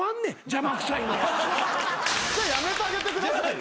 じゃあやめてあげてください。